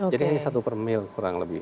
jadi hanya satu per mil kurang lebih